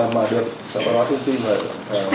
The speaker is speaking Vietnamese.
mà được sở hóa thông tin và đã cấp về hoạt động biểu diễn